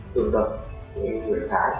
tương đồng với nguyễn thị hải